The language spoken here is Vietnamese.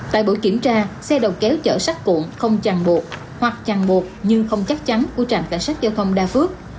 tại buổi kiểm tra xe đầu kéo chở sắt cuộn không chằn buộc hoặc chằn buộc nhưng không chắc chắn của trạm cảnh sát giao thông đa phước